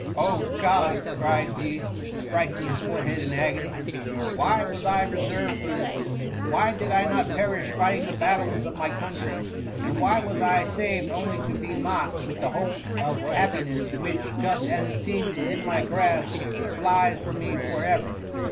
*' Oh, God P cried he, striking his forehead in agony, " why was I reserved for this ? Why did I not perish fighting the battles of my country? And why was I saved only to be mocked with the hope of happiness, which, just as it seemed within my grasp, flies from me for ever